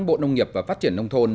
bộ nông nghiệp và phát triển nông thôn